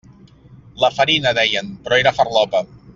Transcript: La farina, deien, però era farlopa.